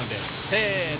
せの。